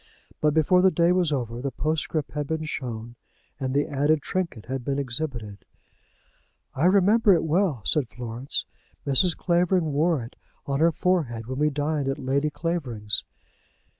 But before the day was over the postscript had been shown, and the added trinket had been exhibited. "I remember it well," said Florence. "Mrs. Clavering wore it on her forehead when we dined at Lady Clavering's."